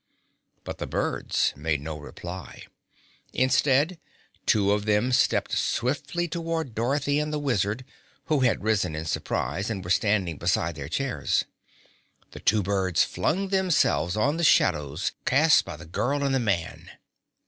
But the birds made no reply. Instead, two of them stepped swiftly toward Dorothy and the Wizard, who had risen in surprise and were standing beside their chairs. The two birds flung themselves on the shadows cast by the girl and the man.